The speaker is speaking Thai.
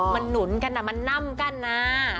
มันหนุนกันมันน่ำกั้นนะ